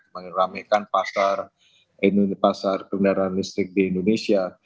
meramekan pasar kendaraan listrik di indonesia